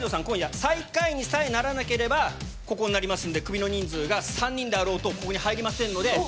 今夜最下位にさえならなければここになりますんでクビの人数が３人であろうとここに入りませんので。